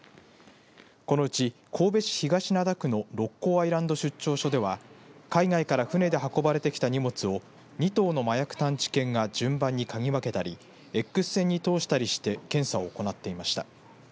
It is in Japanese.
このうち、神戸市東灘区の六甲アイランド出張所では海外から船で運ばれてきた荷物を２頭の麻薬探知犬が順番にかぎ分けたりＸ線に通したりして検査を行っていました。